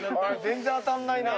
全然当たんないな。